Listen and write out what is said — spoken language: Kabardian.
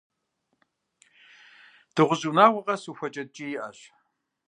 Дыгъужь унагъуэ къэс ухуэкӏэ ткӏий иӏэщ.